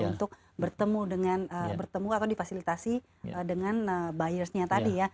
untuk bertemu dengan bertemu atau difasilitasi dengan buyersnya tadi ya